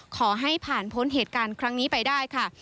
ขอให้ผ่านพ้นเหตุการณ์ครั้งนี้ไปได้ค่ะ